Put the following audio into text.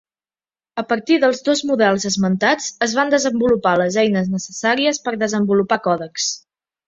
A partir dels dos models esmentats es van desenvolupar les eines necessàries per desenvolupar còdecs.